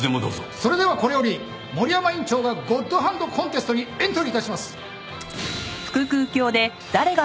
それではこれより森山院長がゴッドハンドコンテストにエントリー致します。